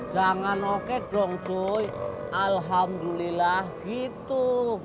jangan oke dong joy alhamdulillah gitu